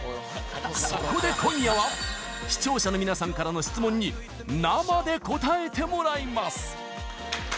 そこで今夜は視聴者の皆さんからの質問に生で答えてもらいます！